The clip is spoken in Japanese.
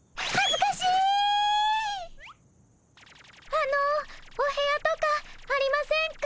あのお部屋とかありませんか？